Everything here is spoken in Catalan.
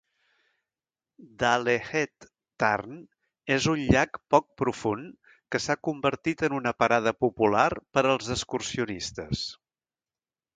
Dalehead Tarn és una llac poc profund que s'ha convertit en una parada popular per als excursionistes.